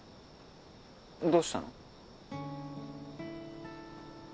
どうしたの？